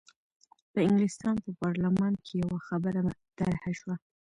په انګلستان په پارلمان کې یوه خبره طرح شوه.